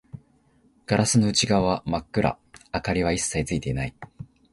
ガラスの内側は真っ暗、明かりは一切ついていない